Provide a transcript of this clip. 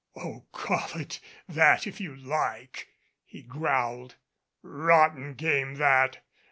"Oh, call it that if you like," he growled. "Rotten game, that.